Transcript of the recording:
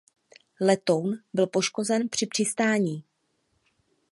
Letoun byl poškozen při přistání.